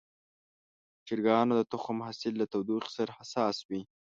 د چرګانو د تخم حاصل له تودوخې سره حساس وي.